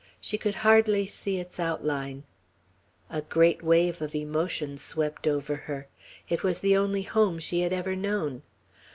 She could hardly see its outline. A great wave of emotion swept over her. It was the only home she had ever known.